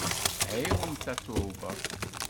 Ɛiwen Tatoeba!